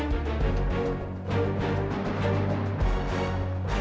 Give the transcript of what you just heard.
nggak ada yang nunggu